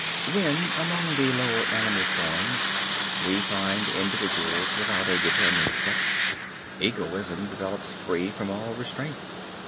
When, among the lower animal forms we find individuals without a determined sex, egoism develops free from all restraint.